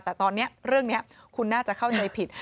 แต่ตอนนี้เรื่องนี้คุณน่าจะเข้าใจผิด